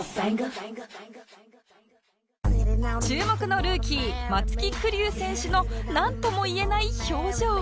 注目のルーキー松木玖生選手のなんともいえない表情